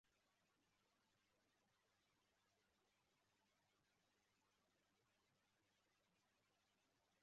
Umugabo ahagaze munsi ya douche ururimi rwe rusohoka